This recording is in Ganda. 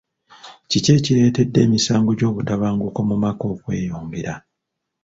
Kiki ekireetedde emisango gy'obutabanguko mu maka okweyongera?